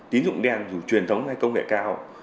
tín dụng đen dù truyền thống hay công nghệ cao